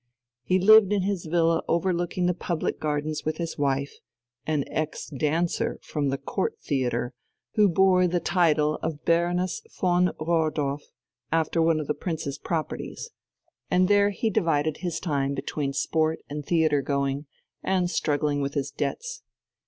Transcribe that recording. He lived in his villa overlooking the public gardens with his wife, an ex dancer from the Court Theatre who bore the title of Baroness von Rohrdorf, after one of the Prince's properties; and there he divided his time between sport and theatre going, and struggling with his debts.